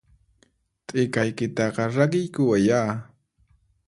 T'ikaykitaqa rakiykuwayyá!